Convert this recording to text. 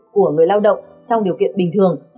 của người lao động trong điều kiện bình thường